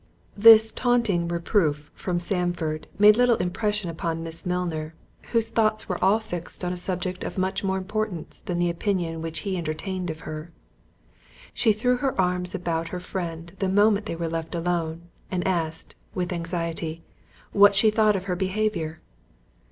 This taunting reproof from Sandford made little impression upon Miss Milner, whose thoughts were all fixed on a subject of much more importance than the opinion which he entertained of her. She threw her arms about her friend the moment they were left alone, and asked, with anxiety, "What she thought of her behaviour?"